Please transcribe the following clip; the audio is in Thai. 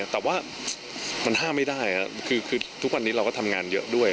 แต่ว่ามันห้ามไม่ได้ครับคือทุกวันนี้เราก็ทำงานเยอะด้วย